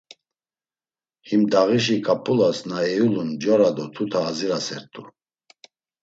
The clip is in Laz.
Him dağişi ǩap̌ulas na eyulun mjora do tuta azirasert̆u.